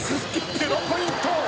０ポイント！